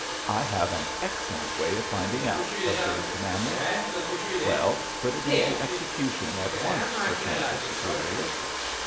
"I have an excellent way of finding out," observed Manners. "Well, put it into execution at once," returned his superior.